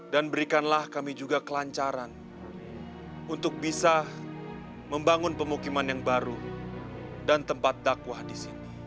dan berikanlah kami juga kelancaran untuk bisa membangun pemukiman yang baru dan tempat dakwah di sini